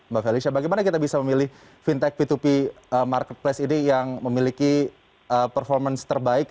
mbak felicia bagaimana kita bisa memilih fintech p dua p marketplace ini yang memiliki performance terbaik